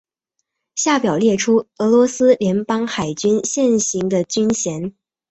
下表列出俄罗斯联邦海军现行的军衔。